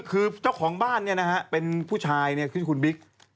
คือเจ้าของบ้านเป็นผู้ชายคือคุณบิ๊ก